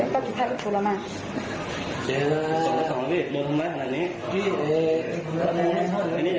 ก็กินหลูกชูละมาก